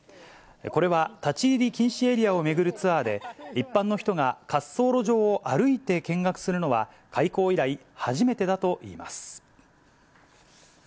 これは立ち入り禁止エリアを巡るツアーで、一般の人が滑走路上を歩いて見学するのは、開港以来初めてだといいます。